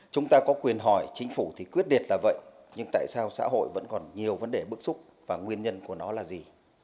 chúng ta có quyền hỏi chính phủ thì quyết định là vậy nhưng tại sao xã hội vẫn còn nhiều vấn đề bức xúc và nguyên nhân của nó là gì